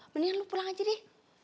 mendingan lu pulang aja deh